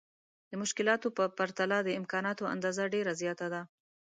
د مشکلاتو په پرتله د امکاناتو اندازه ډېره زياته ده.